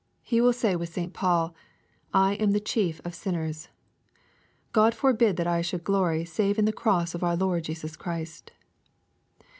He will say with St. Paul, " I am the chief of sinners." —" God forbid that I should glory, save in the cross of our Lord Jesus Christ."